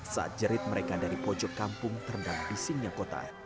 saat jerit mereka dari pojok kampung terendam isinya kota